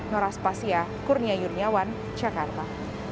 noras pasya kurnia yurniawan jakarta